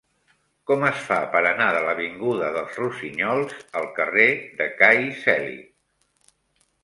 Com es fa per anar de l'avinguda dels Rossinyols al carrer de Cai Celi?